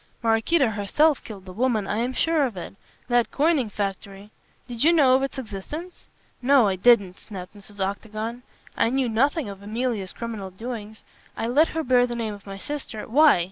Maraquito herself killed the woman. I am sure of it. That coining factory " "Did you know of its existence?" "No, I didn't," snapped Mrs. Octagon. "I knew nothing of Emilia's criminal doings. I let her bear the name of my sister " "Why?"